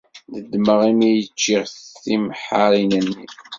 Nedmeɣ imi ay cciɣ timḥaṛin-nni.